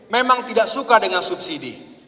memang tidak suka dengan subsidi